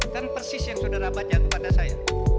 kan persis yang saudara baca kepada saya